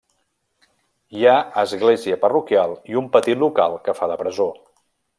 Hi ha església parroquial i un petit local que fa de presó.